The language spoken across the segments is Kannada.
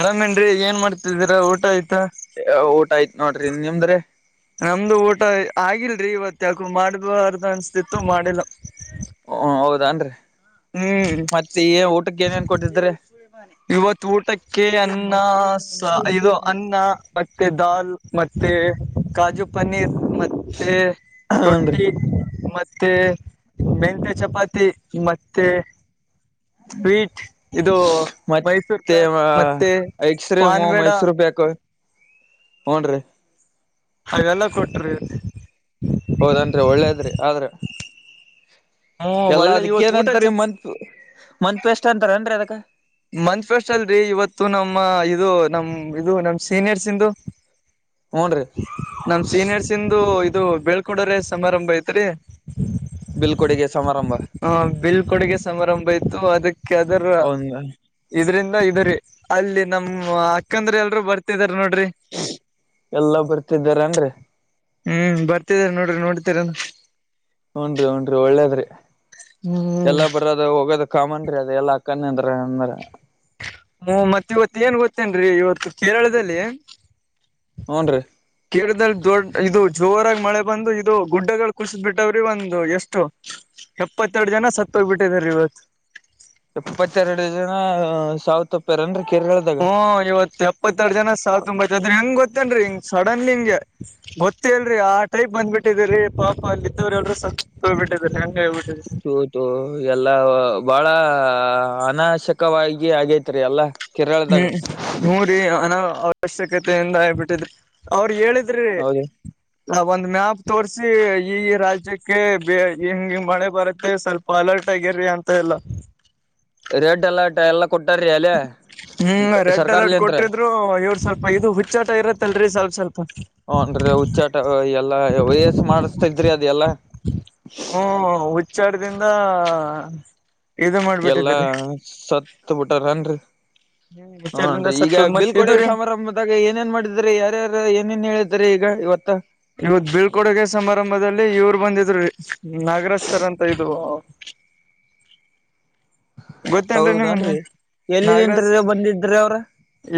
ಅರಾಮೇನ್ರಿ ಏನ್ ಮಾಡ್ತಿದ್ದೀರಾ ಊಟ ಆಯ್ತ ಊಟ ಆಯ್ತ್ ನೋಡ್ರಿ ನಿಮ್ದ್ರೆ ನಮ್ದು ಊಟ ಆಗಿಲ್ರರಿ ಇವತ್ ಯಾಕು ಮಾಡಬಾರ್ದ ಅನ್ಸ್ತಿತ್ತು ಮಾಡಿಲ್ಲ ಹ ಹೌದಾನ್ರಿ ಹ್ಮ್ ಮತ್ತೆ ಏ ಊಟಕ್ಕೆ ಏನೇನ್ ಕೊಟ್ಟಿದ್ರೆ ಇವತ್ ಊಟಕ್ಕೆ ಅನ್ನ ಇದು ಅನ್ನ ಮತ್ತೆ ದಾಲ್ ಮತ್ತೆ ಕಾಜು ಪನ್ನೀರ್ ಮತ್ತೆ ಹನ್ರಿ ರೊಟ್ಟಿ ಮ ಮತ್ತೆ ಮೆಂತೆ ಚಪಾತಿ ಮತ್ತೆ ಸ್ವೀಟ್ ಇದು ಮೈಸೂರ್ ಪ್ಯಾಕ್ ಮತ್ತೇವ ಮತ್ತೆ ಐಕ್ಸ್ ಮಮ್ ಪಾನ್ಬೇಡ ಐಸ್ರ ಬೇಕು ಹನ್ ಹಾಗೆಲ್ಲ ಕೊಟ್ರಿ ಹೌದನ್ರಿ ಒಳ್ಳೇದ್ರಿ ಆದ್ರ ಹ್ಮ್ ಎಲ್ಲಾ ಒಳ್ಳೆ ಅದಕ್ಕ ಇವತ್ ಏನಂತರಿ ಊಟ ಮಂತ್ ಮಂತ್ ಪೇಸ್ಟ್ ಅಂತಾರ ಅನ್ರಿ ಅದಕ್ಕ ಮಂ ಫಸ್ಟ್ ಅಲ್ರರಿ ಇವತ್ತು ನಮ್ಮ ಇದು ನಮ್ ಇದು ನಮ ಸೀನಿಯರ್ಸ್ ಇಂದು ಹೂನ್ರಿ ನಮ್ ಸೀನಿಯರ್ಸ್ ಇಂದು ಇದು ಬೆೇಳ್ಕೊಂಡ್ರ ಸಮಾರಂಭ ಐತ್ರಿ ಬಲ್ ಕೊಡೆಗೆ ಹ ಬಿಲ್ ಕೊಡುಗೆ ಸಮಾರಂಭ ಇತತ್ತು ಅದಕ್ಕೆ ಅದರ ಹನ್ ಇದ್ರಂದ ಇದರಿ ಅಲ್ಲಿ ನಮ್ಮ್ ಅಕ್ಕಂದ್ರ ಎಲ್ರುೂ ಬರ್ತಿದ ಎಲ್ಲಾ ಬರ್ತಿದ್ದಾರನ್ರಿ ಹ್ಮ್ ಬರ್ತಿದಾರ ನೋಡ್ರ ನೋಡಿತರ ಹನ್ರಿ ಹನ್ರರಿ ಒಳ್ಳೇದ್ರಿ ಹ್ಮ್ ಎಲ್ಲಾ ಬರದ ಹೋಗೋದಕ್ ಕಾಮನ್ ಅದ ಎಲ್ಲಾ ಅಕ್ಕನ ಅಂದ್ರ ಅಂದ್ರ ಹ್ಮ ಮತ್ತತ್ ಇವತ್ತು ಏನ್ ಗೊತ್ತೇನ ಇವತ್ತು ಕೇರಳದಲ್ಲಿ ಹೂನ್ರಿ ಕೇಳಿದಲ್ಲಿ ದೊಡ್ಡ ಇದು ಜೋರ ಮಳೆ ಬಂದು ಇದು ಗುಡ್ಡಗಳು ಕುಸ್ ಬಿಿಟ್ಟವ್ರಿ ಒಂದು ಎಷ್ಟು ಎಪ್ಪತ್ತೆರಡು ಜನ ಸತ್ತ ಹೋಗ್ಬಿಟ್ಟಿದ ಇವತ್ತು ಇಪ್ಪತ್ತೆರಡು ಜನ ಸಾವವು ತೊಪ್ಪ್ಯಾರನ್ರಿ ಹಓ ಇವತ್ಪ್ಪತ್ತೆರಡು ಜನ ಸಾವಿರ ತುಂಬತ್ದ್ರ ಹೆಂಗ ಗೊತ್ತೇನ್ರರಿ ಸಡನ್ ನಿಂಗೆ ಗೊತ್ತೇಲ್ರರಿ ಆ ಟೈಪ್ ಬಂದ್ಬಿಟ್ಟಿದ್ರೀ ಪಾಪ ಅಲ್ಲಿಿದ್ದವ್ರ ಎಲ್ರು ಸ ಹೋಗ್ಬ ಬಿಟ್ಟಿದ್ರರಿ ಹಂಗ ಆಗ್ಬಿಟ್ಟಿದ್ರಿ [unintelligible] ಎಲ್ಲ ಬಾಳ ಹ ಅನಶ್ಯಕವಾಗಿ ಆಗೇತ್ರಿ ಎಲ್ಲ ಹ್ಮ್ ಹು ರಿ ಅನ ಅವಶ್ಯಕತೆಯಿಂದ ಹಬಿಟ್ಟಿದ್ರಿ ಅವ್ರ ಹೇಳಿದ ದ್ರಿ ಹೌದು ನ ಒಂದ್ ಮ್ಯಾಪ್ ತೋರಿಸಿ ಈ ರಾಜ್ಯಕ್ಕೆ ಹೆಂಗಗೆ ಮಳೆ ಬರುತ್ತೆ ಸ್ವಲ್ಪ ಅಲರ್ಟ್ ಟಗರಿ ಅಂತ ಎಲ್ಲ ರೆಡ್ ಅಲರ್ಟ್ ಎಲ್ಲಾ ಕೊಟ್ಟಾರೀ ಅಲೆ ಹ್ಮ್ ರೆಡ್ ಅಲರ್ಟ್ ಕೊಟ್ರಿದ್ರು ಎವ ಸ್ವಲ್ಪ ಇದು ಹುಚ್ಚಾಟ ಇರತ್ತಲ್ರಿೀ ಸ್ವಲ್ಪ ಸ್ವಲ್ಪ ಹ್ನ್ ಹುಚ್ಚಾಟ ಎಲ್ಲಾ ವಯಸ್ ಮಾಡಸ್ತ ಇದ್ರಿ ಅದೆ ಎಲ್ಲಾ ಹ್ಮ್ ಹುಚ್ಚಾರದಿಂದ ಎಲ್ಲಾ ಸತ್ ಬಿಟಾರ ನ್ರಿ ಹ್ಮ್ ಹ್ನ್ ವಿಚಾರದಿಂದ ಈಗ ಸತ್ತ ಮತ್ತ ಇದು ಬಿಲ್ಕಡೆಗೆ ರೀ ಸಮಾರಂಭದಾಗ ಏನೇನ್ ಮಾಡಿದ್ರಿ ಯಾರ್ಯಾರು ಏನೇನ್ ಹೇಳ ಆದ್ರೆ ಈಗ ಇವತ್ತ ಇವತ್ ಬೀಳ್ಕೊಡುಗೆ ಸಮಾರಂಭದಲ್ಲಿ ಇವ್ರು ಬಂದಿದ್ರು ನಾಗರಾಜ ಸರ್ ಅಂತ ಇದು ಗೊತ್ತೇನ್ರಿ ನಿಂಗ ಹೌದನ್ರಿ ನಾಗರಾಜ್ ಎಲ್ಲಿಂತ್ರ ಬಂದಿದ್ರಿ ಅವ್ರ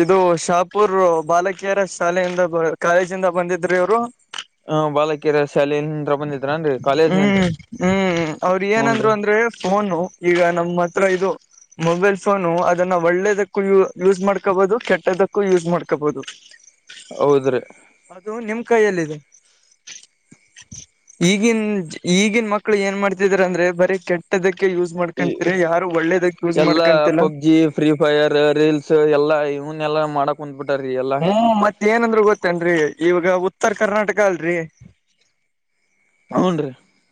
ಇದು ಶಾಪುರ್ ಬಾಲಕಿಯರ ಶಾಲೆಯಿಂದ ಕಾಲೇಜಿಂದ ಬಂದಿದ್ರಿ ಇವರು ಹ ಬಾಲಕಿರ ಶಾಲೆಲಿಂತ ಬಂದಿದ್ರನ್ರಿ ಕಾಲೇಜ್ಲಿಂತ ಹ್ಮ್ ಹ್ಮ್ ಅವ್ರ ಹು ರಿ ಏನಂದ್ರು ಅಂದ್ರೆ ಫೋನು ಈಗ ನಮ್ಮ್ ಹತ್ರ ದು ಮೊಬೈಲ್ ಫೋನು ಅದನ್ನ ಒಳ್ಳೇದಕ್ಕೂ ಯೂಸ್ ಮಾಡ್ಕೋಬಹುದು ಕೆಟ್ಟದಕ್ಕೂ ಯೂಸ್ ಮಾಡ್ಕೋಬಹುದು ಹೌದ್ರಿ ಅದು ನಿಮ್ ಕೈಯಲ್ಲಿದೆ ಈಗನ್ ಈಗನ್ ಮಕ್ಳು ಏನ್ ಮಾಡ್ತಿದಾರೆ ಅಂದ್ರೆ ಬರೀ ಕೆಟ್ಟದಕ್ಕೆ ಯೂಸ್ ಈ ಮಾಡ್ಕೊಂತೀರ ಯಾರ ಎಲ್ಲಾ ಪಬ್ಜಿ ಫ್ರೀ ಫೈರ್ ರೀಲ್ಸ್ ಎಲ್ಲಾ ಇವನ್ ಎಲ್ಲಾ ಮಾಡಕ್ ಕುಂದ್ಬಿಟ್ಟು ಹ್ಮ ಮತ್ತ ಏನಂದ್ರು ಗೊತ್ತೇನ್ರಿ ಇವಾಗ ಉತ್ತರ ಕರ್ನಾಟಕ ಗಲ್ ರೀ ಹುನ್ರಿ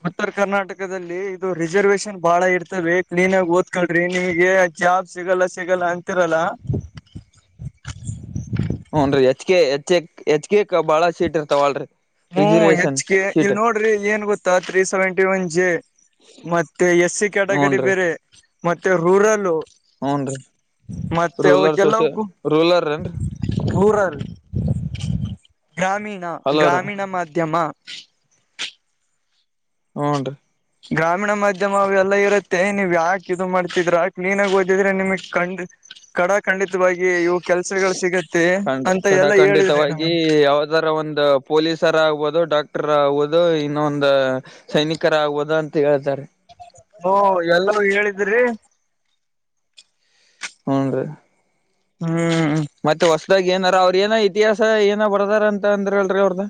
ಉತ್ತರ ಕರ್ನಾಟಕದಲ್ಲಿ ಇದು ರಿಸರ್ವೇೇಶನ್ ಬಾಳ ಇರ್ತದೆ ಕ್ಲೀನ್ ಆಗಿ ಓದ್ಕಳ್ರಿ ನಿಮಗೆ ಜಾಬ್ ಸಿಗಲ್ಲ ಸಿಗಲ್ಲ ಅಂತಿರಲ್ಲ ಹುನ್ರಿ ಹೆಚ್ ಕೆ ಹೆ ಹೆಚ್ ಕೆ ಬಾಳ ಸೀಟ್ ಇರ್ತಾವಳರಿ ಹ್ಮ್ ಹೆಚ್ ಕೆ ಇಲ್ ನೋಡ್ರಿ ಏನ್ ಗೊತ್ತಾ ತ್ರೀ ಸೆವೆಂಟಿ ಒನ್ ಜೆ ಮತ್ತೆ ಎಸ್ ಸಿ ಕ್ಯಾಟಗರಿ ಬೇರೆ ಮತ್ತೆ ರೂರಲ್ ಹ್ನ್ ರೀ ಮತ್ತೆ ಅವಕ್ಕೆಲ್ಲಕ್ಕೂ ಏನ್ರಿ ಊರಲ್ಲಿ ಗ್ರಾಮೀಣ ಹಲೋ ರೀ ಗ್ರಾಮೀಣ ಮಾಧ್ಯಮ ಹ್ನ್ ರೀ ಗ್ರಾಮೀಣ ಮಾಧ್ಯಮ ಅವೆಲ್ಲಾ ಇರುತ್ತೆ ನೀವ ಯಾಕೆ ಇದು ಮಾಡ್ತಿದ್ರ ಕ್ಲೀನ್ಗ ಓದಿದ್ರೆ ನಿಮಗ್ ಕಂಡ ಕಡಕ್ ಖಂಡಿತವಾಗಿ ಇವು ಕೆಲ್ಸಗಳು ಸಿಗತ್ತೆ ಖಂಡ ಅಂತ ಕಡ ಎಲ್ಲಾ ಹೇಳಿದ್ರೆ ನಮ ಖಂಡಿತವಾಗಿ ಯಾವ್ದಾರ ಒಂದು ಪೊಲೀಸರ ಆಗ್ಬಹುದು ಡಾಕ್ ಟರ್ ಆಗದು ಇನ್ನೊಂದ ಸೈನಿಕರ ಆಗದು ಅಂತ ಹೇಳ್ತಾರೆ ಓ ಎಲ್ಲರೂ ಹೇಳಿದ್ರಿ ಹ್ನ್ ರೀ ಹ್ಮ್ ಮತ್ತೆ ಹೊಸದಾಗ ಏನಾರ ಅವ್ರ ಏನ ಇತಿಹಾಸ ಏನ ಬರದಾರ ಅಂತ ಅಂದ್ರ ಹೇಳರಿ ಅವ್ರದ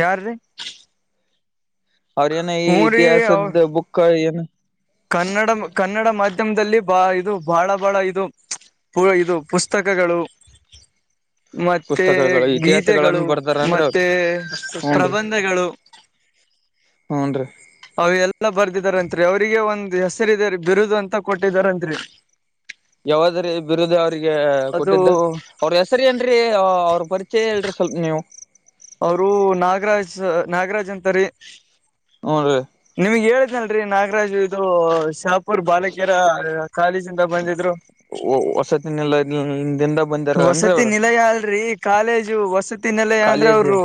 ಯಾರ ರೀ ಅವ್ರೇಏನ ಈ ಅವ ಇತಿಹಾಸದ ಬುಕ್ ಏನು ಕನ್ನಡ ಕನ್ನಡ ಮಾಧ್ಯಮದಲ್ಲಿ ಬಾ ಇದು ಬಹಳ ಬಹಳ ಇದು ಪೂ ಇದು ಪುಸ್ತಕಗಳು ಮತ್ತೆ ಪುಸ್ತಕಗಳು ಇತಿಹಾಸಗಳನ್ನ ಗೀತೆಗಳು ಬರ್ದಾರನ್ರಿ ಅವ್ರು ಮತ್ತೆ ಪ್ರಬಂಧಗಳು ಹು ಅಂನ್ರಿ ಅವ ಎಲ್ಲ ಬರ್ದಿದಾರತ್ರಿ ಅವ್ರಿಗೆ ಒಂದ್ ಹೆಸರಿದೆ ಬಿರುದು ಅಂತ ಕೊಟ್ಟಿದಾರಂರಿ ಯಾವಾದ್ರೀ ಬಿರುದ ಅವ್ರಿಗೆ ಅದು ಕೊಟ್ಟಿದ್ದ ಅವ್ರ ಹೆಸರಿ ಏನ್ರರಿ ಅವ್ರ ಪರಿಚಯ ಹೇಳ್ರಿ ಸಟ್ ನೀವು ಅವರು ನಾಗರಾಜ್ ನಾಗರಾಜ್ ಅಂತರಿೀ ಹೂನ್ರಿ ನಿಮ್ಗ್ ಹೇಳ ನಲ್ರಿ ನಾಗರಾಜು ಇದು ಶಾಪ್ ೂರ್ ಬಾಲಕಿಯರ ಕಾಲೇಜಿಂದ ಬಂದಿದ್ರು ಹಾ ವಸತಿ ನಿಲಯ ಅಲ್ರರಿ ಕಾಲೇಜು ವಸತಿ ನಿಲಯ ಅಂದ್ರ ಕಾಲೇಜ್ ಅವರು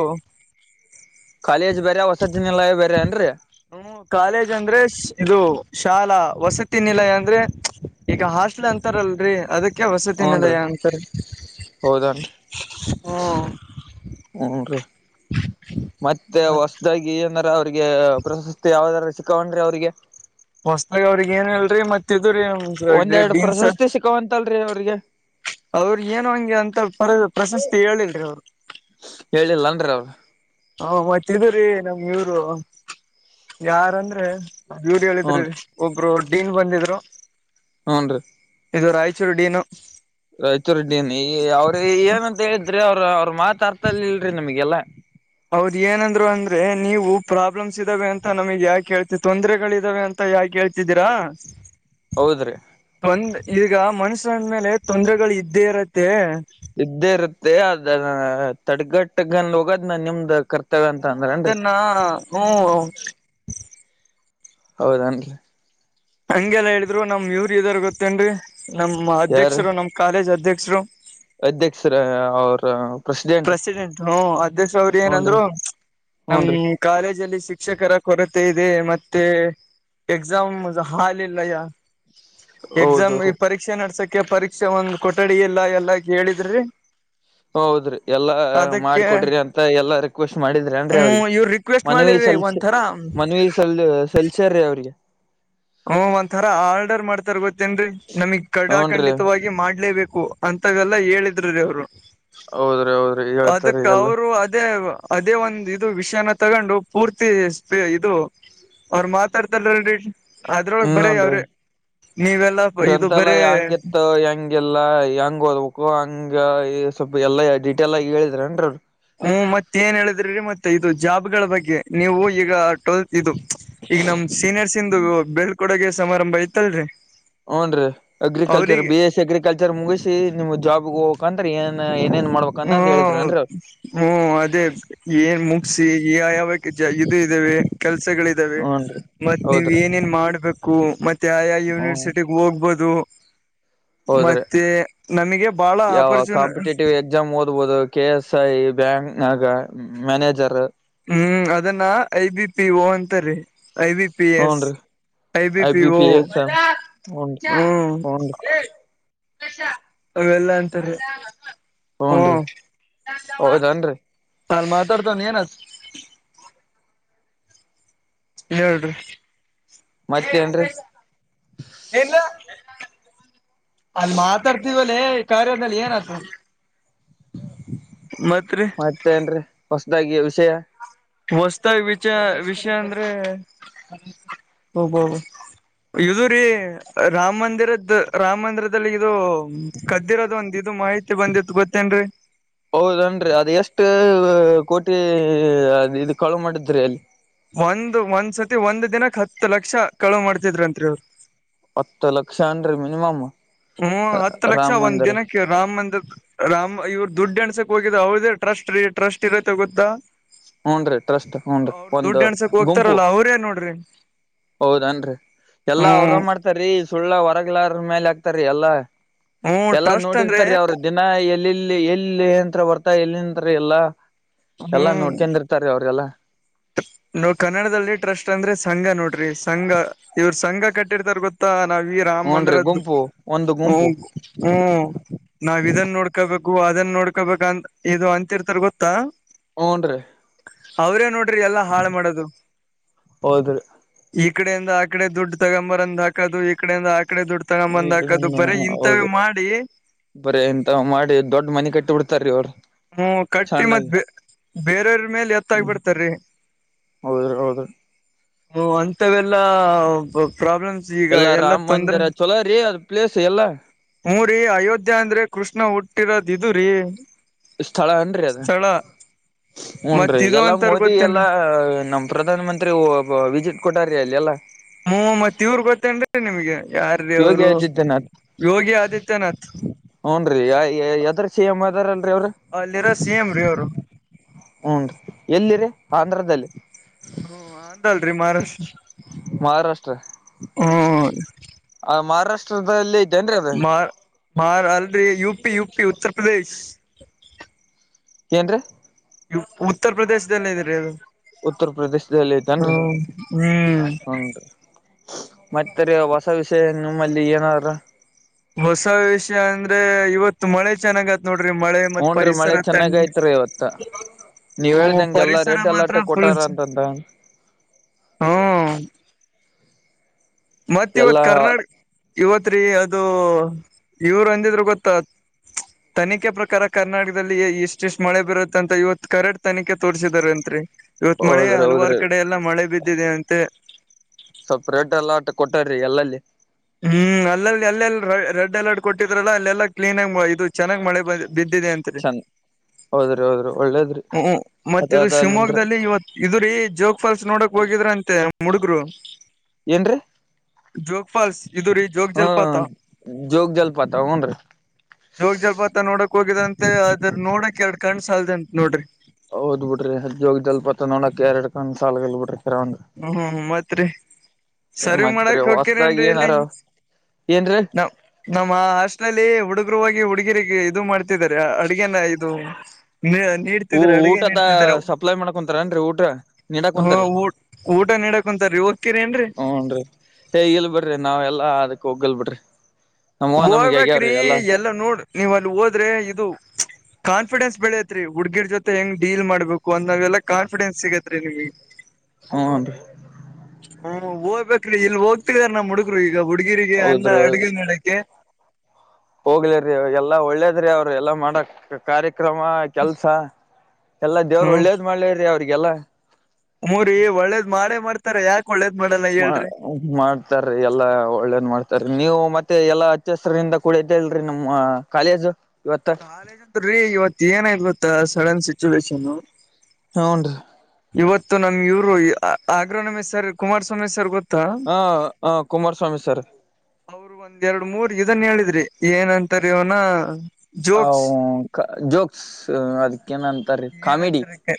ಕಾಲೇಜ್ ಬೇರೆ ವಸತಿ ನಿಲಯ ಬೇರೆೇನ್ರಿ ಹ್ಮ ಕಾಲೇಜ್ ಅಂದ್ರೆ ಇದು ಶಾಲಾ ವಸತಿ ನಿಲಯ ಅಂದ್ರೆ ಈಗ ಹಾಸ್ಟ್ಲ್ ಅಂತಾರಲ್ರರಿ ಅದಕ್ಕೆ ಹೂನ್ರಿ ವಸತಿನಲಯ ಅಂತಾರ ಹನ್ ರೀ ಮತ್ತೆ ಮತ್ ಹೊಸದಾಗಿ ಏನಾರ ಅವಿಗೆ ಪ್ರಶಸ್ತಿ ಯಾವ್ದಾದ್ ಸಿಕ್ಕೊಂಡ್ರಿ ಅವ್ರಿಗೆ ಹೊಸತಾಗ ಅವ್ರಗ ಏನ್ ಹೇಳಲ್ರರಿ ಮತ್ತೆ ಒಂದೆರಡು ನ್ಸರ್ ಪ್ರಶಸ್ತಿ ಸಿಕ್ಕವಂತಲ್ರಿ ಅವ್ರಿಗೆ ಅವ್ರ ಏನು ಹಂಗೆ ಅಂತ ಪರ ಪ್ರಶಸ್ತಿ ಹೇಳಿಲ್ರಿ ಅವ್ರು ಹೇಳಿಲ್ಲ ಅನ ರಿ ಅವರು ಹ ಮತ್ತಿದ್ರೀ ನಮ್ ಇವರು ಯಾರಂದ್ರೆ ಯೂರಿ ಹೇಳಿದ್ರಿ ಹೂನ್ರಿ ಒಬ್ರು ಡೀನ್ ಬಂದಿದ್ರು ಹ್ನ್ ರೀ ಇದು ರಾಯಚೂರು ಡೀನು ರಾಯಚೂ ರಡ್ಡ ಅವ್ರ ಏನಂತ ಹೇಳಿದ್ರೆ ಅವ್ರ ಮಾತ ಅರ್ತಲ್ ಇಲ್ರರಿ ನಿಮಗೆಲ್ಲಾ ಹೌದ್ ಏನಂದ್ರು ಅಂದ್ರೆ ನೀವು ಪ್ರಾಬ್ಲಮ್ಸ್ ಇದ್ದಾವೆ ಅಂತ ನಮಗ್ ಯಾಕ ಹೇಳ್ತಿ‌ ತೊಂದ್ರರೆಗಳ ಇದಾವೆ ಅಂತ ಯಾಕೆ ಹೇಳ್ತಿದ್ದೀರಾ ಹೌದ್ರೀ ಒಂದ ಈಗ ಮನುಷ್ಯರಂದ ಮೇಲೆ ತೊಂದ್ರರೆಗಳು ಇದ್ದೇ ಇರತ್ತೆ ಇದ್ದೇ ಇರುತ್ತೆ ಅದ ತಡ್ಗಟ್ಟಗನ್ ಹೋಗದ್ ನಾ ನಿಮ್ದ ಕರ್ ಹ್ಮ್ ಅದನ್ನ ಹ್ಮ್ ಹೌದನ್ ಹಂಗೆಲ್ಲಾ ಹೇಳಿದ್ರು ನಮ್ ಇವ್ರು ಇದಾರ ಗೊತ್ತೇನ್ರಿ ನಮ್ಮ್ ಯಾರೀ ಅಧ್ಯಕ್ಷರು ನಮ್ ಕಾಲೇಜ್ ಅಧ್ಯಕ್ಷ ಮಶರು ಅಧ್ಯಕ್ಷರ ಅವ್ರ ಪ್ರೆಸಿಡೆಂಟ್ ಹ ಅಧ್ಯಕ್ಷ ಅವ್ರ ಏನಂದ್ರು ಹೂನ್ರಿ ನಮ ಹೂನ್ರಿ ಕಾಲೇಜಲ್ಲಿ ಶಿಕ್ಷಕರ ಕೊರತೆ ಇ ಇದೆ ಮತ್ತೆ ಎಕ್ಸಾಮ್ ಹಾಲ ಇಲ್ಲಯ ಎಕ್ಸಾಮ್ ಈ ಹೌದೌರಿ ಪರೀಕ್ಷೆ ನಡ್ಸಕ್ ಕ ಪರೀಕ್ಷೆ ಒಂದ್ ಕೊಠಡಿ ಇಲ್ಲ ಎಲ್ಲ ಕೇಳಿದ್ರಿ ಹೌದ್ರಿ ಎಲ್ಲಾ ಮಾಡಕೊಟ್ರರಿ ಅಂತ ಎಲ್ಲಾ ರಿಕ್ವೆಸ್ಟ್ ಮಾಡಿದ್ರಿ ಏನ್ರಿ ಹ್ಮ್ ಅವ್ರಿಗೆ ಇವ್ರ ರಿಕ್ವೆಸ್ಟ್ ಮನವಿ ಮಾಡಿರಿ ಸಲ್ಸ ಒಂಥರ ಮನ್ವಿ ಸಲ್ ಸೆಲ್ಸರ್ರಿ ಅವ್ರಿಗೆ ಹ್ಮ ಒಂಥರ ಆರ್ಡರ್ ಮಾಡ್ತಾರ ಗೊತ್ತೇನ ರೀ ನಮಗ್ ಹೂನ್ರಿ ಕಡಖಂಡಿತವಾಗಿ ಮಾಡ್ಲೇಬೇಕು ಅಂತ ಅಂತಾಗಲ್ಲಾ ಹೇಳಿದ್ರರು ರೀ ಅವರು ಹೌದ್ರಿ ಹೌದ್ರಿ ಹೇಳ್ತಾರೀ ಅದಕ್ಕ ಎಲ್ಲ ಅವರು ಅದೇ ಅದೇ ಒಂದ ಇದು ವಿಷಯನ ತಗೊಂಡು ಪೂರ್ತಿ ಇದು ಅವರು ಮಾತಾಡ್ತಾರಲ್ರಿ ಅದ್ರೊಳಗೆ ಬರ ಅವ್ರೆ ಗ್ರಂಥ ಎಲ್ಲ ಹೆಂಗ ಇತ್ತು ಹೆಂಗಗೆಲ್ಲ ಹೆಂಗ ಓದ್ಬೇಕು ಹಂಗ ಹಂಗ ಈ ಸ್ವಲ್ಪ ಎಲ್ಲಾ ಡಿಟೇಲ್ ಆಗ ಹೇಳಿದ್ರ ಏನ್ರಿೀ ಹ್ಮ್ ಮತ್ತ ಏನ್ ಹೇಳಿದ್ರಿರಿ ಮತ್ತೆ ಇದು ಜಾಬ್ ಗಳ ಬಗ್ಗೆ ನೀವು ಈಗ ಟ್ವೆಲ್ತ್ ಇದು ಈಗ ನಮ್ ಸೀನಿಯರ್ಸ್ ಇಂದು ಬೆಳ್ಕೊಡಗೆ ಸಮಾರಂಭ ಐತಲ್ರರಿ ಹ್ನ್ರೀ ಅಗ್ರಿಕಲ್ಚರ್ ಅವ್ರಿಗೆ ಬಿ ಎಸ್ ಸಿ ಅಗ್ರಿಕಲ್ಚರ್ ಮುಗಿಸಿ ನಿಮ್ ಜಾಬ್ಗೆ ಹೋಗಕಂತರಿ ಏನ್ ಏನೇನ್ ಮಾಡ್ಬೇಕು ಅನ್ನದ್ ಹೇಳ ಹ್ಮ ಹ್ಮ್ ಅದೇ ಏನ್ ಮುಗಿಸಿ ಯ ಯಾವ ಇ ಇದಾವ ಕೆಲ್ಸ [unintelligible] ದಾವೆ ಹೂನ್ರಿ ಮತ್ ನೀವ್ ಹೌದ್ರಿ ಏನೇನ್ ಮಾಡ್ಬೇಕ ಉ ಮತ್ತೆ ಯ ಯೂನಿವರ್ಸಿಟಿಿಗೆ ಹೋಗ್ಬಹುದು ಹೌದ್ರೆ ನಮಗೆ ಬಹಳ ಯಾವ ಆಪರ್ಚುನ ಕಾಂಪಿಟೇಟಿವ್ ಎಕ್ಸಾಮ್ ಓಬಹುದು ಕೆ ಎಸ್ ಐ ಬ್ಯಾಂಕ್ [unintelligible] ಆಗ ಮ್ಯಾನೇಜರ್ ಹ್ಮ್ ಅದನ್ನ ಐ ಬಿ ಪಿ ಓ ಅಂತರಿ ಐ ಬಿ ಪಿ ಎಸ್ ಹೂನ್ರಿ ಐ ಬಿ ಪಿಒಓ [inaudible] ಹೂನ್ರಿ ಹ್ಮ್ ಹೂನ್ರಿ ಅವೆಲ್ಲಾ ಅಂತಾರೆ [inaudible] ಹೂನ್ರಿ ಹ್ಮ ಹೌದನ್ರಿ ಲ್ ಮತಾರತ ನೀನ [inaudible] ಹೇಳಏರಿ [unintelligible] ಮತ್ತೇನ್ರೀ ಏನ್ಲ ಅಲ್ಲಿ ಮಾತಾಡ್ತವಲ್ಲೇ ಕಾರ್ಯದನಲ್ಲಿ ಏನ ಆತದೆ [unintelligible] ಮತ ಏನ್ರಿ ಹೊಸದಾಗಿ ವಿಷಯ [inaudible] ಹೊಸ್ತಾಗಿ ವಿಚ ವಿಷಯ ಅಂದ್ರೆ ಹಬ [inaudible] ಇದು ರೀ ರಾಮ ಮಂದಿರದ ರಾಮ ಮಂದಿರದಲ್ಲಿ ಇದು ಹ್ಮ ಕದ್ದಿರೋದು ಒಂದ ಇದು ಮಾಹಿತಿ ಬಂದಿತ್ ಗೊತ್ತೇನ್ರರಿ ಹೌದನ್ರಿ ಅದ್ ಎಷ್ಟು ಕೋಟಿ ಇ ಕಾಳು ಮಾಡಿದ್ರಿ ಅಲ್ಲಿ ಒಂದು ಒಂದ್ ಸತಿ ಒಂದು ದಿನಕ್ಕೆ ಹತ್ತು ಲಕ್ಷ ಕಳವ ಮಾಡ್ತಿದ್ರ ಅಂತ್ರಿ ಅವರು ಹತ್ತು ಲಕ್ಷ ಅನ್ರಿ ಮಿನಿಮಮ್ ಹ್ಮ ಹತ್ತು ರಾಮ ಲಕ್ಷ ಒಂದ್ ಮಂದಿರ ದಿನಕ್ಕೆ ರಾಮ್ ಅಂದ ರಾಮ ಇವ್ ದುಡ್ಡು ಎಣಸಕ್ ಹೋಗಿದ ಹೌದೇ ಟ್ರಸ್ಟ್ ರೀ ಟ್ರಸ್ಟ್ ಇರತ್ತೆ ಗೊತ್ತಾ ಹೂನ್ರಿ ಟ್ರಸ್ಟ್ ಹೂನ್ರಿ ಅವರು ಒಂದು ದುಡ್ಡು ಎಣಸಕ್ ಹೋಗ್ತಾರಲ್ಲ ಅವ್ರೇನ್ ನೋಡ್ರಿ ಹೌದನ್ರರಿ ಎಲ್ಲಾ ಅವ್ರ ಹ್ಮ್ ಮಾಡ್ತಾರೀ ಸುಳ್ಳ ಹೊರಗ್ಲಾರ ಮೇಲೆ ಹಾಕ್ತಾರೀ ಎಲ್ಲಾ ಹ್ಮ್ ಎಲ್ಲಾ ಟ್ರಸ್ಟ್ ಅಂದ್ರೆ ನೋಡಿರ್ತಾರ ಅವರು ದಿನ ಎಲ್ಲಿ ಎಲ್ಲಿ ಎಲ್ಲಿ ತ್ರರ ಬರ್ತಾ ಎಲ್ಲಿಂತರ ಎಲ್ಲ ಎಲ್ಲಾ ನೋಡ್ಕೊಂಡ್ ಇರ್ತಾರೀ ಅವ್ರಿಗೆಲ್ಲಾ ನೋ ಕನ್ನಡದಲ್ಲಿ ಟ್ರಸ್ಟ್ ಅಂದ್ರೆ ಸಂಘ ನೋಡ್ರಿ ಸಂಘ ಇವ್ರ ಸಂಘ ಕಟ್ಟಿರ್ತಾರ ಗೊತ್ತಾ ನಾವ ರಾಮ ಹೂನ್ರಿ ಮಂದಿರದ್ದ ಗುಂಪು ಒಂದು ಹ್ಮ ಗುಂಪು ಹ್ಮ್ ನಾವ್ ಇದನ್ ನೋಡ್ಕೊಬೇಕು ಅದನ್ ನೋಡ್ಕೊಬೇಕ ಅಂತ ಇದು ಅಂತಿರ್ತಾರ ಗೊತ್ತಾ ಹೂನ್ರಿ ಅವ್ರೇ ನೋಡ್ರಿ ಎಲ್ಲಾ ಹಾಳ ಮಾಡೋದು ಹೌದ್ರಿ ಈ ಈ ಕಡೆಯಿಂದ ಆ ಕಡೆ ದುಡ್ಡು ತಗೊಂಬರಂದ ಹಾಕೋದು ಈ ಕಡೆಯಿಂದ ಆ ಕಡೆ ದುಡ್ತನ ಬಂದ್ ಹಾಕದು ಬರ ಇಂಥವ ಮಾಡಿ ಬರ ಇಂತ ಮಾಡಿ ದೊಡ್ಡ ಮನೆ ಕಟ್ಟಿ ಬಿಡ್ತಾರೀ ಇವ್ರು ಹ್ಮ ಕಟ್ಟಿ ಮತ್ ಬೇರೆಯವ್ರ ಮೇಲೆ ಎತ್ತ ಆಾಗಿಬಿಡ್ತಾರೀ ಹೌದ್ರಿ ಹೌದ್ರಿ ಹ ಅಂತವೆಲ್ಲಾ ಪ್ರಾಬ್ಲಮ್ಸ್ ಈಗ ಎಲ್ಲಾ ಎಲ್ಲ ರಾಮ ತೊಂದರೆೆ ಮಂದಿರ ಚಲೋ ರೀ ಅದ್ ಪ್ಲೇಸ್ ಎಲ್ಲಾ ಹಊ ರರಿ ಅಯೋಧ್ಯಾ ಅಂದ್ರೆ ಕೃಷ್ಣ ಹುಟ್ಟಿರೋದಿದರರಿ ಸ್ಥಳ ಏನ್ರಿ ಅದ ಹ್ಞನ್ರಿ ಮತ್ ಇದು ಎಲ್ಲ ಅಂತಾರ ಓದಿ ಗೊತ್ತೇನ್ರಿ ಎಲ್ಲಾ ನಮ ಪ್ರಧಾನ ಮಂತ್ರಿ ವಿಜಿಟ್ ಕೊಟಾರ ಅಲ್ಲಿ ಅಲ್ಲಾ ಹ ಮತ್ ಇವ್ರ ಗೊತ್ತೇನ್ರಿ ನಿಮ್ಗೆ ಯಾರ ರೀ ಯೋಗಿ ಅವರು ಆದಿತ್ಯನಾಥ್ ಯೋಗಿ ಆದಿತ್ಯನಾಥ್ ಹ್ನ್ರೀ ಎದರ್ಷಿ ಲ್ೀ ಅವ್ರ ಅಲ್ಲಿರೋ ಸಿ ಎಂ ರೀ ಅವರು ಹ್ೀ [unintelligible] ಎಲ್ಲಿ ರೀ ಆಂಧ್ರದ ಇದದಲ್ಲಿ [unintelligible] ಹ್ಮ ಅಂತ ಅಲ್ರಿ ಮಹಾರಾಷ್ಟ್ರ ಮಹಾರಾಷ್ಟ್ರ ಹ್ಮ್ ಆ ಮಹಾರಾಷ್ಟ್ರದಲ್ಲಿ ಜನರ ಅದ ಮಾರ [unintelligible] ಯುಪಿ ಯುಪಿ ಉತ್ತರ ಪ್ರದೇಶ್ ಏನ್ರೀ ನಿವ ಉತ್ತರ ಪ್ರದೇಶದಲ್ಲೇ ಇದಿರಿ. ಉತ್ತರ ಪ್ರದೇಶದಲ್ಲಿ ಐತನ್ರರಿ ಹ್ಮ್ ಹನ್ರಿ ಮತ್ತರಿ ಹೊಸ ವಿಷಯ ನಿಮ್ಮಲ್ಲಿ ಏನಾದ್ರ ಅದೆ ಇವತ್ತು ಮಳೆ ಚೆನ್ನಾಗಿ ಆತ್ ನೋಡ್ರಿ ಮಳೆ ಮತ್ತ ಹೂನ್ರಿ ಪರಿಸರ ಮಳೆ ಚೆನ್ನಾಗ ತಣ್ಣಗ. ಐತ್ರಿ ಇವತ್ತ ನೀವ್ ಹು ಹೇಳ್ದಂಗ ಎಲ್ಲಾ ಪರಿಸರ ರೆಡ್ ಮಾತ್ರ ಅಲರ್ಟ್ ಕೊಟ್ಟಾರ ಪ್ರಚ್ ಅಂತಂತ ಹು. ಮತ್ತ ಇವತ ಎಲ್ಲಾ ಕರ್ನಾಡ್ ಇವತ್ ರೀ ಅದ. ಅದು ಇವ್ರು ಅಂದಿದ್ರು ಗೊತ್ತ ತನಿಖೆ ಪ್ರಕಾರ ಕರ್ನಾಟಕದಲ್ಲಿ ಇಷ್ಟ ಇಷ್ಟ್ ಮಳೆ ಬರುತ್ತ ಅಂತ ಇವತ್ ಕರೆಟ್ ತನಿಖೆ ತೋರಸಿದಾರ ಅಂತ್ರಿ. ಇವತ್ ಮಳೆ ಹೌದ್ರಿ ಹಲವಾರ ಹೌದ್ರಿ ಕಡೆ ಎಲ್ಲಾ ಮಳೆ ಬಿದ್ದಿದೆ ಅಂತೆ. ಸ್ವಲ್ಪ ರೆಡ್ ಅಲಾಟ್ ಕೊಟ್ಟಾರೀ ಎಲ್ಲಲ್ಲಿ ಹು ಅಲ್ಲಲ್ಲಿ ಅಲ್ಲೆಲ್ಲಿ ರೆಡ್ ಅಲರ್ಟ್ ಕೊಟ್ಟಿದ್ರಲ್ಲ ಅಲ್ಲೆಲ್ಲ ಕ್ಲೀನ್ ಆಗ ಇದು ಚೆನ್ನಾಗ್ ಮಳೆ ಬಂದ. ಚಂದ ಹೌದ್ರಿ ಹೌದ್ರಿ ಒಳ್ಳೇದ್ರಿ ಹು ಹು ಅದ ಮತ್ತ ಇದು ಅದ ಅಲ್ಲಿಂದ್ರ ಶಿವಮೊಗ್ಗದಲ್ಲಿ ಇವತ್ ಇದ್ರೀ ಜೋಗ ಫಾಲ್ಸ್ ನೋಡಕ್ ಹೋಗಿದ್ರ ಅಂತೆ. ನಮ್ಮ ಹುಡುಗ್ರು. ಏನ್ರೀ ಜೋಗ್ ಫಾಲ್ಸ್ ಇದು ರೀ ಜೋಗ್ ಹ್ಮ ಜಲಪಾತ ಜೋಗ ಜಾಲ್ಪಾತ ಹುಂನ್ರೀ ಜೋಗ ಜಲಪಾತ ನೋಡಕ್ ಹೋಗಿದ ಅಂತೆ ಅದ್ರ ನೋಡಕ್ ಎರಡು ಕಣ್ಸ ಸಾಲ್ದಂತ್ ನೋಡ್ರಿ. ಹೌದ ಬಿಡ್ರಿ ಜೋಗ ಜಲಪಾತ ನೋಡಕ ಎರಡ್ ಕಣ್ಣ ಸಾಲಗಿಲ್ ಬಿಡ್ರಿ. ಹ್ಮ್ ಮತ್ರಿ ಸರ್ವ್ ಮತ್ತ ಮಾಡಕ್ ಹೊಸದಾಗಿ ಏನಾರ ಏನ್ರೀ ನಮ್ ನಮ್ಮ ಅಷ್ಟ. ಲ್ಲಿ ಹುಡುಗರುವಾಗಿ ಹುಡುಗಿರಿಗೆ ಇದು ಮಾಡ್ತಿದ್ದಾರೆ ಅಡುಗೆನ ಇದು ಊ ನೀಡ್ತಿದ್ದಾರೆ ಅಡುಗೆ ಊಟದ ನೀಡ್ತಿದ್ದಾರೆ ಸಪ್ಲೈ ಮಾಡಕೊಂತಾರನ್ರಿ ಊಟ ನೀಡಾಕ್ ಹ ಕುಂತಾರಿ ಊ ಊಟ ನಕ್ [inaudible] ಕುಂತಾರೀ ಹೋಗ್ತೀರಿ ಏನ್ರರಿ ಹೇ ಇಲ್ ಬಿಡ್ರಿ ನಾವ್ ಎಲ್ಲ ಅದಕ್ ಹೋಗ್ಲ್ ಬಿಡ್ರಿ ನಮ್ಮವ ನಮಗ್ ಹೋಗ್ಬೇಕ್ರಿ ಆಗ್ಯಾವ್ರಿ ಎಲ್ಲಾ ಎಲ್ಲ ನೋಡ್ ನೀವ್ ಅಲ್ಲಿ ಹೋದ್ರೆ ಇದು ಕನ್ ಕಾನ್ಫಿಡೆನ್ಸ್ ಬೆಳೆಯತ್ರಿ ಹುಡ್ಗಿಡ್ ಜೊತೆ ಹೆಂಗ್ ಡೀಲ್ ಮಾಡ್ಬೇಕು ಅಂದಾವೆಲ್ಲ ಕಾನ್ಫಿಡೆನ್ಸ್ ಸಿಗತ್ ರೀ ನಿಮಗೆ. ಹ್ಮ ರೀ ಹು ಹೋಗ್ಬೇಕ್ರಿ ಇಲ್ ಹೋಗ್ತಿದಾರ ನಮ್ಮ ಹುಡುಗ್ರು. ಈಗ ಹುಡುಗಿರಿಗೆ ಅನ್ನ ಹೌದ್ರಿ ಅಡುಗೆ ಮಾಡಕ್ಕೆ. ಹೋಗ್ಲಿರಿ ಎಲ್ಲಾ ಒಳ್ಳೇದ್ರಿ ಅವ್ರರು ಎಲ್ಲಾ ಮಾಡಕ್ ಕಾರ್ಯ. ಕ್ರಮ ಕೆಲ್ಸ ಎಲ್ಲಾ ದೇವ್ರು ಒಳ್ಳೇದ ಮಾಡ್ಲಿರಿ ಅವ್ರಿಗೆಲ್ಲ. ಹೂ ರಿ ಒಳ್ಳೇದ್ ಮಾಡೇ ಮಾಡ್ತಾರ ಯಾಕ. [unintelligible] ಮಾಡಲ್ಲ ಮಾ ಹೇಳ್ರಿ ಮಾಡ್ತಾರೀ ಎಲ್ಲಾ ಒಳ್ಳೇದ ಮಾಡ್ತಾರ ರಿ ನೀವು ಮತ್ತೆ ಎಲ್ಲಾ [unintelligible] ಅಚ್ಚ ಹಸಿರ್ ನಿಂದ ಕೂಡ ಇದ್ದೇಲ್ರಿ ನಮ್ಮ್ ಕಾಲೇಜು ಇವತ್ತ ಕಾಲೇಜ್ ಅತ್ತರೆ ಇವತ್ ಏನಗ್ತ್ತ ಸಡನ್ ಸಿಚುವೇೇಶನ್ ಹೂನ್ ರೀ. [unintelligible] ಇವತ್ತು ನಮ್ಮ ಇವರು ಈ ಆಗ್ರಮನೀ ಸರ್ ಕುಮಾರಸ್ವಾಮಿ ಸರ್ ಗೊತ್ [unintelligible] ಹಾ ಹ ಕುಮಾರ್ಸ್ವಾಮಿ ಸರ್. ಅವರು ಒಂದ್ ಎರಡ್ ಮೂರ್ ಇದನ್ ಹೇಳಿದ್ರಿ ಏನಂತಾರ ಇವನ. [unintelligible] ಜೋಕ್ಸ್ ಹ ಜೋಕ್ಸ್ ಅದಕ್ಕ ಏನಂತಾರೆೀ ಕಾಮಿಡಿ ಏನಂತಾರೆ